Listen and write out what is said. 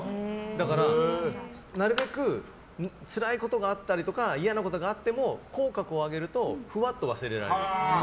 だから、なるべくつらいことがあったりとか嫌なことがあっても口角を上げるとふわっと忘れられる。